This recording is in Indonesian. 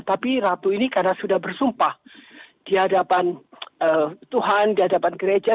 tapi ratu ini karena sudah bersumpah di hadapan tuhan di hadapan gereja